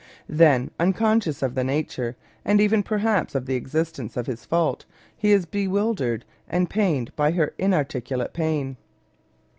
Then, unconscious of the nature, and even perhaps of the existence of his fault, he is bewildered and pained by her inarticulate pain.